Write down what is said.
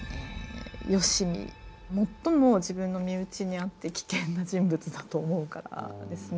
最も自分の身内にあって危険な人物だと思うからですね。